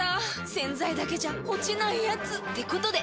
⁉洗剤だけじゃ落ちないヤツってことで。